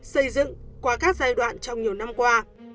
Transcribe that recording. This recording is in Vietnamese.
xây dựng qua các giai đoạn trong nhiều năm qua